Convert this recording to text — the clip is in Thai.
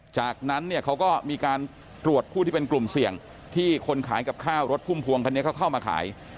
จากนั้นเนี่ยเขาก็มีการตรวจผู้ที่เป็นกลุ่มเสี่ยงที่คนขายกับข้าวรถพุ่มพวงคันนี้เขาเข้ามาขาย